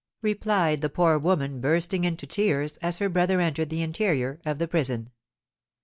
replied the poor woman, bursting into tears, as her brother entered the interior of the prison.